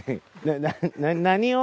何を？